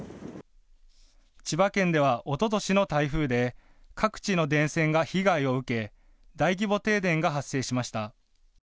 千葉県ではおととしの台風で各地の電線が被害を受け大規模停電が発生しました。